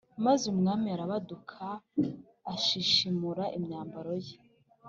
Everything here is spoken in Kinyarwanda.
Maze umwami arabaduka ashishimura imyambaro ye